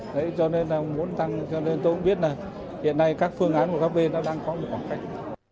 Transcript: đấy cho nên là muốn tăng cho nên tôi cũng biết là hiện nay các phương án của các bên nó đang có một khoảng cách